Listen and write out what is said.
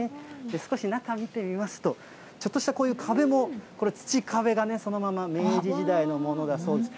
少し中見てみますと、ちょっとしたこういう壁も、これ、土壁がそのまま明治時代のものだそうです。